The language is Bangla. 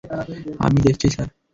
আমি দেখছি, স্যার।